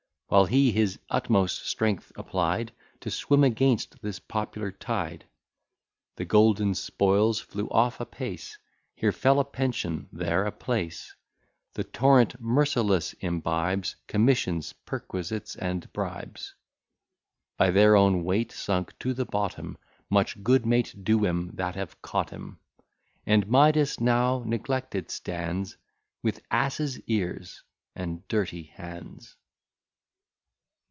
While he his utmost strength applied, To swim against this popular tide, The golden spoils flew off apace, Here fell a pension, there a place: The torrent merciless imbibes Commissions, perquisites, and bribes, By their own weight sunk to the bottom; Much good may't do 'em that have caught 'em! And Midas now neglected stands, With ass's ears, and dirty hands.